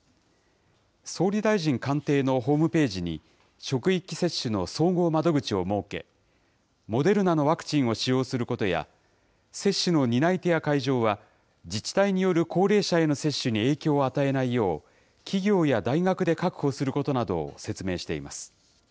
総理大臣官邸のホームページに、職域接種の総合窓口を設け、モデルナのワクチンを使用することや、接種の担い手や会場は、自治体による高齢者への接種に影響を与えないよう、企業や大学で確保することなどを説明しています。